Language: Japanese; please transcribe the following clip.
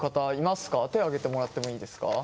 手上げてもらってもいいですか？